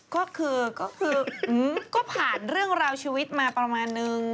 ก็คือก็ผ่านเรื่องราวชีวิตมาประมาณนึง